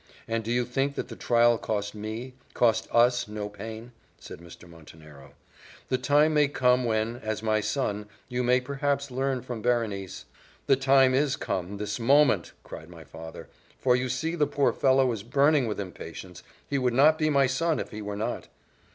"And do you think that the trial cost me, cost us no pain?" said Mr. Montenero. "The time may come when, as my son, you may perhaps learn from Berenice " "The time is come! this moment!" cried my father; "for you see the poor fellow is burning with impatience he would not be my son if he were not."